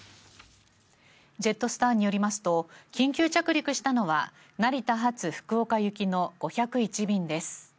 ジェットスターによりますと緊急着陸したのは成田発福岡行きの５０１便です。